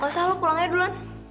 masalah lo pulang aja duluan